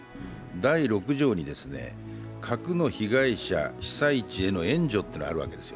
第６条に核の被害者へ援助というのがあるわけです。